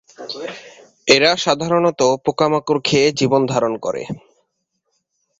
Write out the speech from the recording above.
এরা সাধারণত পোকামাকড় খেয়ে জীবন ধারণ করে।